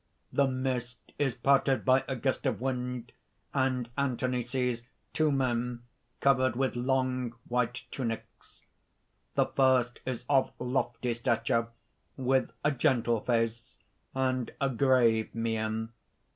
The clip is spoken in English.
(The mist is parted by a gust of wind; and Anthony sees two men covered with long white tunics. _The first is of lofty stature, with a gentle face, and a grave mien.